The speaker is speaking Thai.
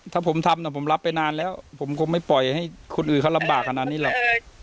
ถ้าผมทำผมรับไปนานแล้วผมคงไม่ปล่อยให้คนอื่นเขาลำบากขนาดนี้หรอก